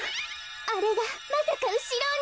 あれがまさかうしろに。